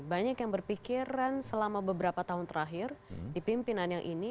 banyak yang berpikiran selama beberapa tahun terakhir di pimpinan yang ini